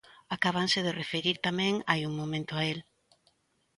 Acábanse de referir tamén hai un momento a el.